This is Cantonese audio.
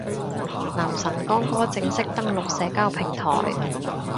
男神光哥正式登陸社交平台